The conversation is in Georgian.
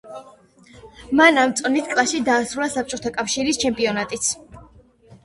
მან ამ წონით კლასში დაასრულა საბჭოთა კავშირის ჩემპიონატიც.